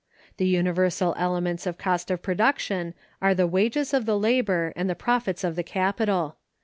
The universal elements of cost of production are the wages of the labor, and the profits of the capital.